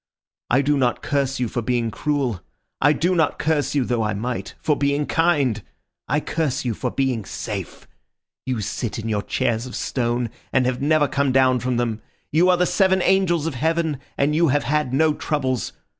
I do not curse you for being cruel. I do not curse you (though I might) for being kind. I curse you for being safe! You sit in your chairs of stone, and have never come down from them. You are the seven angels of heaven, and you have had no troubles.